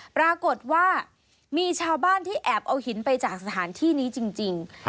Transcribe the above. ปรากฏว่ามีชาวบ้านที่แอบเอาหินไปจากสถานที่นี้จริง